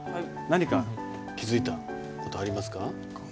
何か気付いた事ありますか？